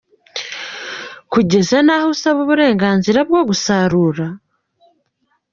kugeza n’aho usaba uburenganzira bwo gusarura!!